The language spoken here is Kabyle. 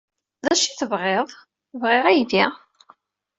D acu ay tebɣiḍ? Bɣiɣ aydi.